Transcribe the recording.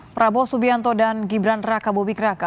prabowo subianto dan gibran raka buming raka